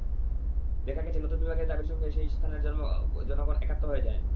দেখা গেছে, নতুন বিভাগের দাবির সঙ্গে সেই স্থানের জনগণ একাত্ম হয়ে যায়।